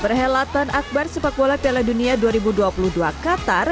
perhelatan akbar sepak bola piala dunia dua ribu dua puluh dua qatar